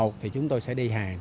thì chúng tôi sẽ đi hàng